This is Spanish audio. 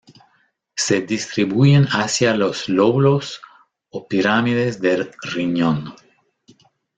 Se distribuyen hacia los lóbulos o pirámides del riñón.